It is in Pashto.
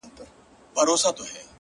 چاودلی زړه به خپل پرودگار ته ور وړم!!